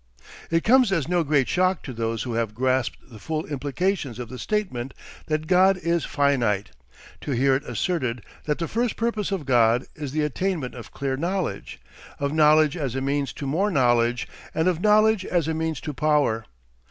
It comes as no great shock to those who have grasped the full implications of the statement that God is Finite, to hear it asserted that the first purpose of God is the attainment of clear knowledge, of knowledge as a means to more knowledge, and of knowledge as a means to power.